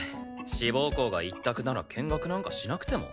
志望校が一択なら見学なんかしなくても。